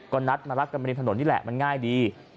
ก็นัดมารักกันริมถนนนี่แหละมันง่ายดี